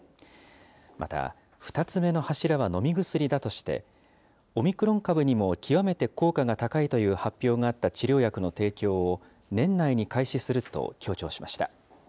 また２つ目の柱は飲み薬だとして、オミクロン株にも極めて効果が高いという発表があった治療薬の提供を、年内に開始すると強調しました。